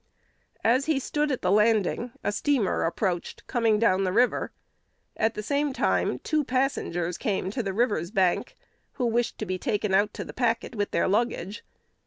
As he stood at the landing, a steamer approached, coming down the river. At the same time two passengers came to the river's bank who wished to be taken out to the packet with their luggage.